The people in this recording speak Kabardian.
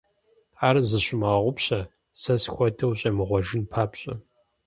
Ар зыщумыгъэгъупщэ, сэ схуэдэу ущӀемыгъуэжын папщӀэ.